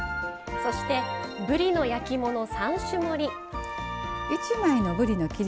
そしてぶりの焼き物３種盛り。